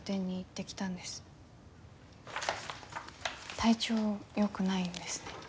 体調よくないんですね。